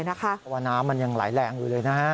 เพราะว่าน้ำมันยังไหลแรงอยู่เลยนะฮะ